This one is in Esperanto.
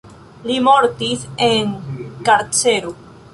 Li mortis en karcero.